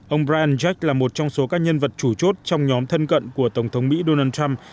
ông bran jak là một trong số các nhân vật chủ chốt trong nhóm thân cận của tổng thống mỹ donald trump